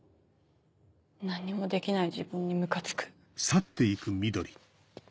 何にもできない自分にムカつく。